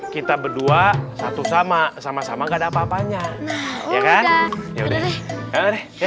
kita berdua satu sama sama sama gak ada apa apanya ya kan ya udah deh